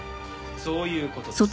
そういう事ですよ。